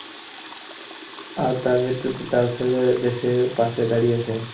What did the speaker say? আর তার মৃত্যুতে তার ছেলে দেশের পাশে দাঁড়িয়েছে।